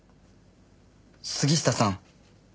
杉下さん。